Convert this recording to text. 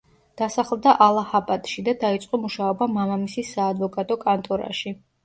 დასახლდა ალაჰაბადში და დაიწყო მუშაობა მამამისის საადვოკატო კანტორაში.